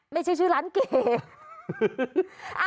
ไม่ใช่ชื่อร้านเก๋